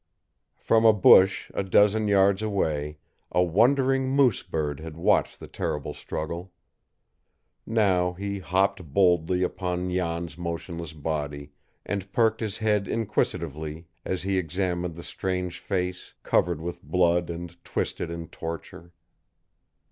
From a bush a dozen yards away a wondering moose bird had watched the terrible struggle. Now he hopped boldly upon Jan's motionless body, and perked his head inquisitively as he examined the strange face, covered with blood and twisted in torture.